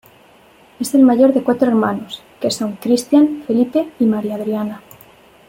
Es el mayor de cuatro hermanos, que son Cristian, Felipe y Maria Adriana.